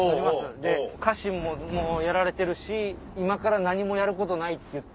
で家臣ももうやられてるし今から何もやることないっていって。